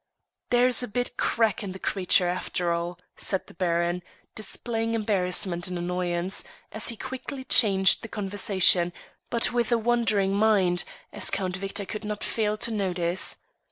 "There's a bit crack in the creature after all," said the Baron, displaying embarrassment and annoyance, and he quickly changed the conversation, but with a wandering mind, as Count Victor could not fail to notice.